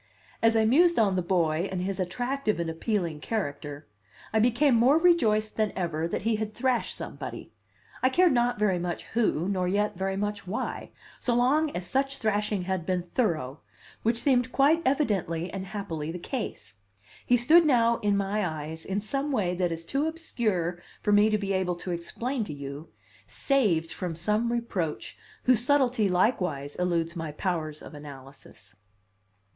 As I mused on the boy and his attractive and appealing character, I became more rejoiced than ever that he had thrashed somebody, I cared not very much who nor yet very much why, so long as such thrashing had been thorough, which seemed quite evidently and happily the case. He stood now in my eyes, in some way that is too obscure for me to be able to explain to you, saved from some reproach whose subtlety likewise eludes my powers of analysis.